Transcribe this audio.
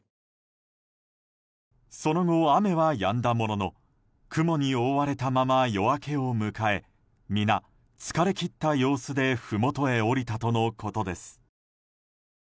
その後、雨はやんだものの雲に覆われたまま夜明けを迎え皆、疲れ切った様子でふもとへ下りたとのことです。